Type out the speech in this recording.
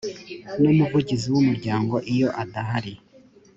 n umuvugizi w umuryango iyo adahari